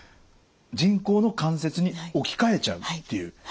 人工の関節に置き換えちゃうっていう。